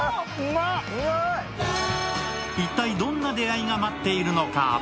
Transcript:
一体どんな出会いが待っているのか？